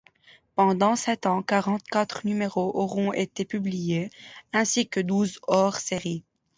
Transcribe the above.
Pendant sept ans, quarante-quatre numéros auront été publiés, ainsi que douze hors-séries.